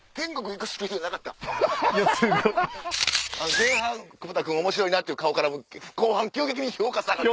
前半久保田君おもしろいなっていう顔から後半急激に評価下がって。